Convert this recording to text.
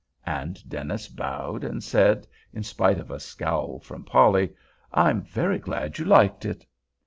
And Dennis bowed and said, in spite of a scowl from Polly, "I'm very glad you liked it."